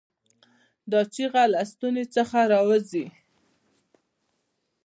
دا چیغه له ستونې څخه راووځي.